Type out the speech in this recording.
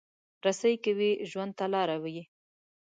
رسۍ که وي، ژوند ته لاره وي.